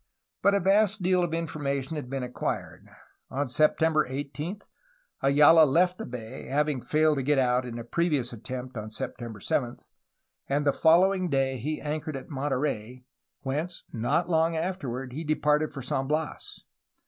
But a vast deal of information had been acquired. On September 18 Ayala left the bay, — having failed to get out in a previous attempt on September 7, — and the following day he anchored at Monterey, whence not long afterward he departed for San Bias.